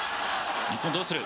日本どうする？